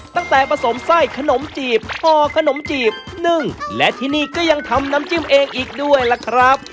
ตั้งแต่ผสมไส้ขนมจีบห่อขนมจีบนึ่งและที่นี่ก็ยังทำน้ำจิ้มเองอีกด้วยล่ะครับ